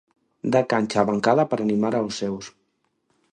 Da cancha á bancada para animar aos seus.